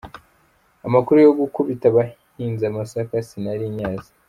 "Amakuru yo gukubita abahinze amasaka sinari nyazi".